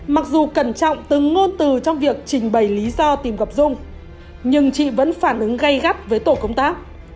mặc dù cẩn trọng từng ngôn từ trong việc trình bày lý do tìm gặp dung nhưng chị vẫn phản ứng gây gắt với tổ công tác